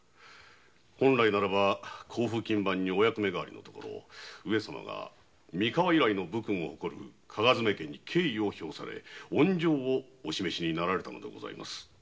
本来ならば甲府勤番にお役目替えのところ上様が三河以来の名誉ある武門に敬意を表され恩情をお示しになられたのでございます。